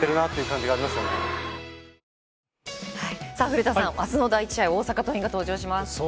古田さん、あすの第１試合に大阪桐蔭が登場します。